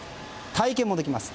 体験もできます。